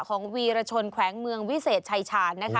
วีรชนแขวงเมืองวิเศษชายชาญนะคะ